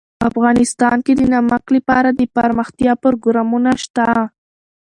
افغانستان کې د نمک لپاره دپرمختیا پروګرامونه شته.